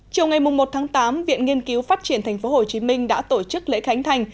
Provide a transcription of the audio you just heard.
chiều ngày một tháng tám viện nghiên cứu phát triển tp hcm đã tổ chức lễ khánh thành